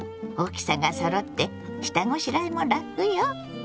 大きさがそろって下ごしらえも楽よ。